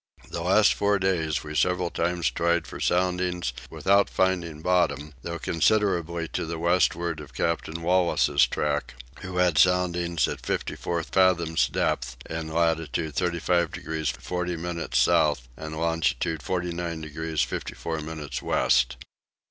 The last four days we several times tried for soundings without finding bottom, though considerably to the westward of Captain Wallis' track, who had soundings at fifty four fathoms depth in latitude 35 degrees 40 minutes south and longitude 49 degrees 54 minutes west.